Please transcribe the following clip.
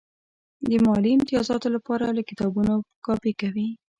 د مالي امتیازاتو لپاره له کتابونو کاپي کوي.